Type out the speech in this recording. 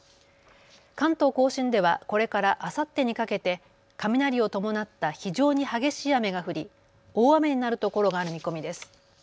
関東甲信ではこれからあさってにかけて雷を伴った非常に激しい雨が降り大雨になる所がある見込みです。